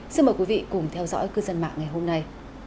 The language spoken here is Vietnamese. xin mời quý vị cùng theo dõi cư dân mạng ngày hôm nay